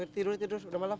tidur tidur sudah malam